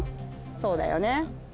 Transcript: そうだよね。